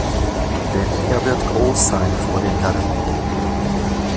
Denn er wird groß sein vor dem Herrn.